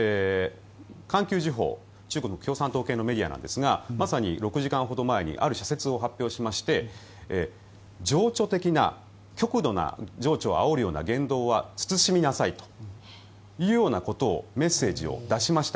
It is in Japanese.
環球時報、中国共産党系のメディアなんですがまさに６時間ほど前にある社説を発表しまして情緒的な極度な情緒をあおるような言動は慎みなさいというようなことをメッセージを出しました。